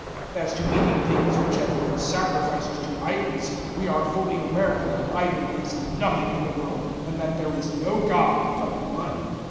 008:004 As to eating things which have been sacrificed to idols, we are fully aware that an idol is nothing in the world, and that there is no God but One.